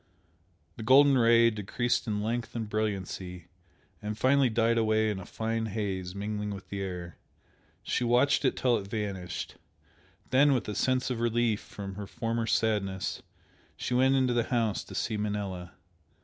The golden Ray decreased in length and brilliancy, and finally died away in a fine haze mingling with the air. She watched it till it vanished, then with a sense of relief from her former sadness, she went into the house to see Manella.